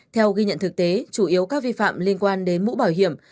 theo ghi nhận thực tế chủ yếu các vi phạm liên quan đến mũ bảo hiểm